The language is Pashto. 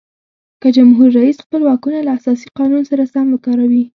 که جمهور رئیس خپل واکونه له اساسي قانون سره سم وکاروي.